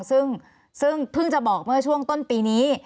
ซึ่งเพิ่งจะบอกเมื่อช่วงต้นปีนี้